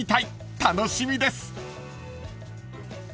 ［楽しみです］